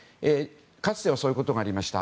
かつてはそういうことがありました。